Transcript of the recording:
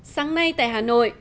sáng nay tại hà nội